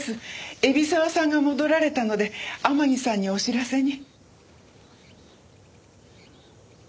海老沢さんが戻られたので天樹さんにお知らせに。